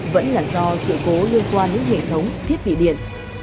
vẫn là do sự cố liên quan đến hệ thống thiết bị điện